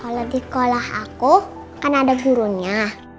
kalo di sekolah aku kan ada gurunya